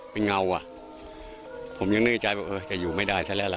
เป็นเงาอ่ะผมยังนึกใจว่าเออจะอยู่ไม่ได้ซะแล้วล่ะ